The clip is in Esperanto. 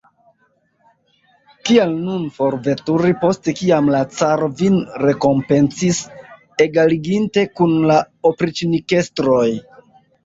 Kial nun forveturi, post kiam la caro vin rekompencis, egaliginte kun la opriĉnikestroj?